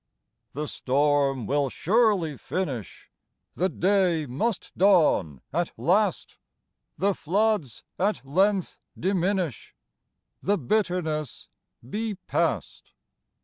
The storm will surely finish, The day must dawn at last, The floods at length diminish, The bitterness be past.